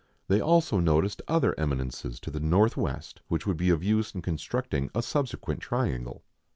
They also noticed other eminences to the north west which would be of use in constructing a subsequent triangle.